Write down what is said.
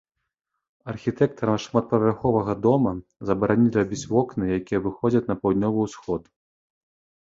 Архітэктарам шматпавярховага дома забаранілі рабіць вокны, якія выходзяць на паўднёвы ўсход.